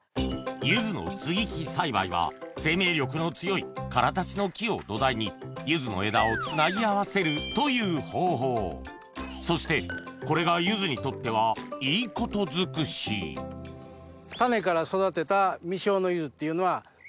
ゆずの接木栽培は生命力の強いカラタチの木を土台にゆずの枝をつなぎ合わせるという方法そしてこれがゆずにとってはいいこと尽くし種から育てた。